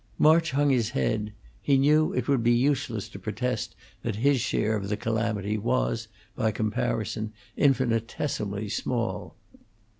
March hung his head; he knew it would be useless to protest that his share of the calamity was, by comparison, infinitesimally small.